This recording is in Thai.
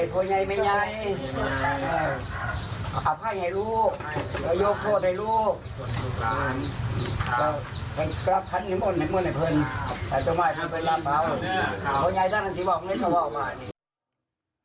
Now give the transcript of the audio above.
ก็พันธุ์ให้หมดให้หมดให้เพิ่มแต่ต้องมาให้พันธุ์เป็นร้านเบา